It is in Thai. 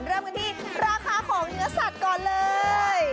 เริ่มกันที่ราคาของเนื้อสัตว์ก่อนเลย